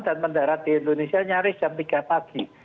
dan mendarat di indonesia nyaris jam tiga pagi